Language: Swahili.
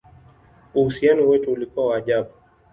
Uhusiano wetu ulikuwa wa ajabu!